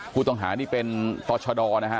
ผู้ต้องหานี่เป็นต่อชดนะฮะ